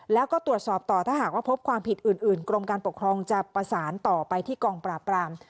แล้วก็ตรวจสอบต่อถ้าหากว่าพบความผิดอื่นกรมการปกครองจะประสานต่อไปที่กองปราบราม